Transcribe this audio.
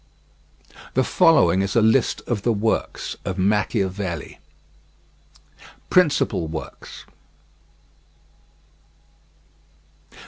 The following is a list of the works of Machiavelli: Principal works.